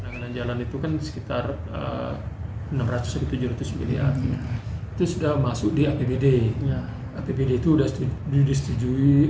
bangunan jalan itu kan sekitar enam ratus tujuh ratus miliar itu sudah masuk di apbd nya apbd itu sudah setuju disetujui